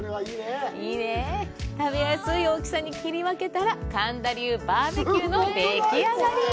食べやすい大きさに切り分けたら、神田流バーベキューのでき上がり。